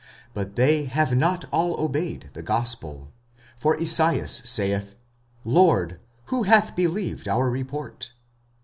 45:010:016 But they have not all obeyed the gospel. For Esaias saith, Lord, who hath believed our report?